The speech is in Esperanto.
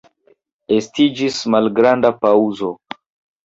Estiĝis malgranda paŭzo.